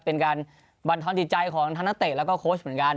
เป็นการบรรทนดิจัยของธนเตศแล้วก็โค้ชเหมือนกัน